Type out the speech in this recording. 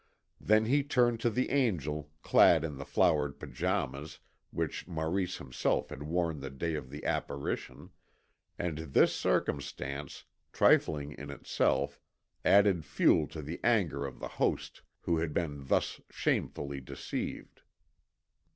Then he turned to the angel clad in the flowered pyjamas which Maurice himself had worn the day of the apparition; and this circumstance, trifling in itself, added fuel to the anger of the host who had been thus shamefully deceived.